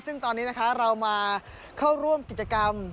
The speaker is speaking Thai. ซึ่งตอนนี้นะคะเรามาเข้าร่วมกิจกรรม